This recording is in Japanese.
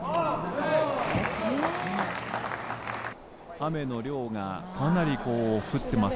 雨の量がかなり降っています。